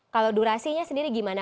kalau durasinya sendiri gimana